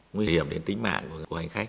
nguy hiểm đến tính mạng của hành khách